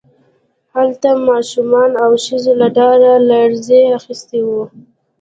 هلته ماشومان او ښځې له ډاره لړزې اخیستي وو